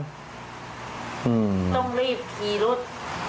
ต้องรีบขี่รถ